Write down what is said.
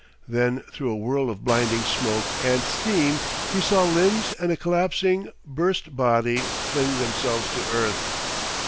Then through a whirl of blinding smoke and steam he saw limbs and a collapsing, burst body fling themselves to earth.